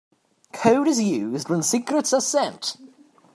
Code is used when secrets are sent.